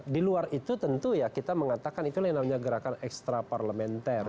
di luar itu tentu kita mengatakan itu yang namanya gerakan ekstraparlementer